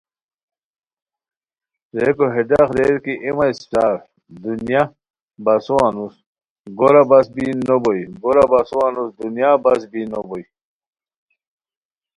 ریکو ہے ڈاق ریر کی اے مہ اسپڅار دنیا بسو انوس گورا بس بین نوبوئے، گورا بسو انوس دنیا بس بین نوبوئے